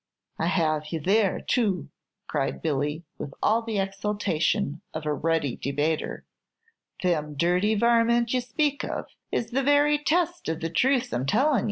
"I have you there, too," cried Billy, with all the exultation of a ready debater. "Them dirty varmint ye speak of is the very test of the truth I 'm tellin' ye.